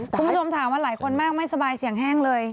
คุณผู้ชมถามว่าหลายคนมากไม่สบายเสียงแห้งเลย